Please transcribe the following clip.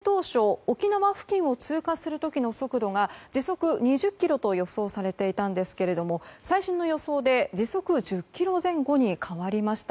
この台風６号ですが発生当初沖縄付近を通過する時の速度が、時速２０キロと予想されていたんですが最新の予想で時速１０キロ前後に変わりました。